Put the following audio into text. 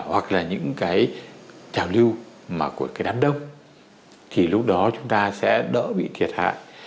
hoặc là những cái trào lưu mà của cái đám đông thì lúc đó chúng ta sẽ đỡ bị thiệt hại